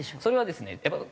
それはですね